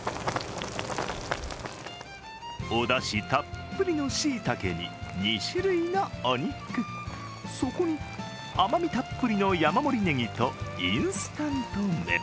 おだしたっぷりのしいたけに２種類のお肉、そこに甘みたっぷりの山盛りねぎとインスタント麺。